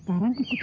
gak bakal jadi satu